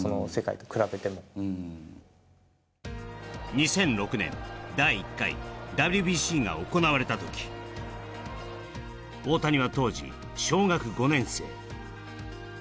２００６年、第１回ＷＢＣが行われたとき大谷は当時、小学５年生。